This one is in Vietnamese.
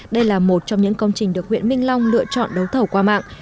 đây là một trong những công trình được huyện minh long lựa chọn đấu thầu qua mạng